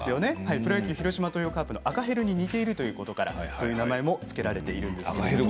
プロ野球広島カープの赤ヘルに似ているということからその名前が付けられています。